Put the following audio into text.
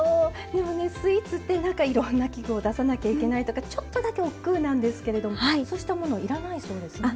でもねスイーツって何かいろんな器具を出さなきゃいけないとかちょっとだけおっくうなんですけれどそうしたもの要らないそうですね。